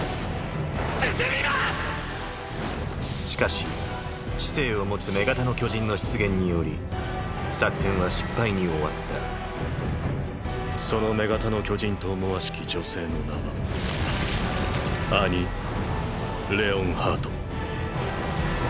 しかし知性を持つ「女型の巨人」の出現により作戦は失敗に終わったその女型の巨人と思わしき女性の名はアニ・レオンハート。